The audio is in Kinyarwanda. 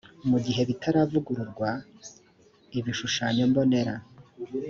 mu gihe bitaravugururwa ibishushanyombonera